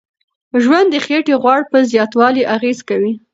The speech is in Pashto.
ژوند د خېټې غوړ په زیاتوالي اغیز کوي.